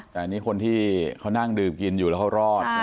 แต่อันนี้คนที่เขานั่งดื่มกินอยู่แล้วเขารอด